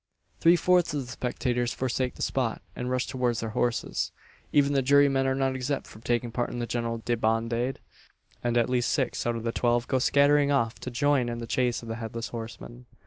Three fourths of the spectators forsake the spot, and rush towards their horses. Even the jurymen are not exempt from taking part in the general debandade, and at least six out of the twelve go scattering off to join in the chase of the Headless Horseman.